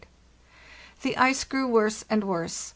The ice grew worse and worse.